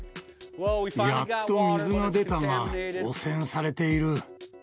やっと水が出たが、汚染されている。